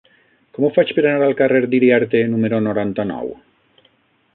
Com ho faig per anar al carrer d'Iriarte número noranta-nou?